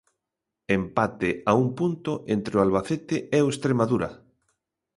Empate a un punto entre o Albacete e o Estremadura.